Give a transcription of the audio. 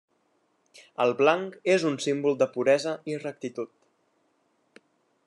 El blanc és un símbol de puresa i rectitud.